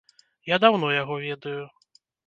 Я даўно яго ведаю.